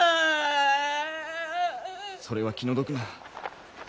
それは気の毒な。